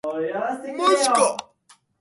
以てセーターを着ているように見せかけていたのです